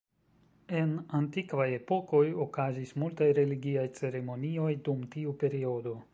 En antikvaj epokoj, okazis multaj religiaj ceremonioj dum tiu periodo.